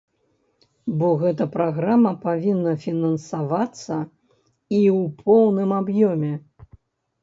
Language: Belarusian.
Бо гэта праграма павінна фінансавацца і ў поўным аб'ёме.